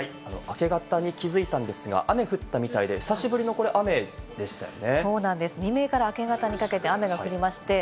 明け方に気付いたんですが、雨が降ったみたいで、久しぶりのこれ雨でしたよね。